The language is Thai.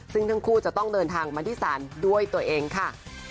ซึ่งทั้งคู่จะต้องเดินทางมาที่ศาลด้วยตัวเองค่ะ